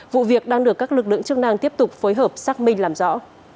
vụ việc đang được các lực lượng chức năng tiếp tục phối hợp xác minh làm rõ